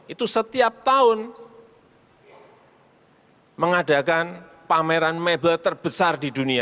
itu setiap tahun mengadakan pameran mebel terbesar di dunia